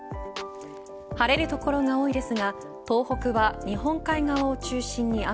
晴れる所が多いですが東北は、日本海側を中心に雨。